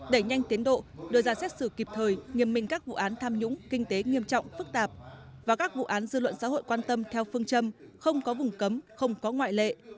đẩy nhanh tiến độ đưa ra xét xử kịp thời nghiêm minh các vụ án tham nhũng kinh tế nghiêm trọng phức tạp và các vụ án dư luận xã hội quan tâm theo phương châm không có vùng cấm không có ngoại lệ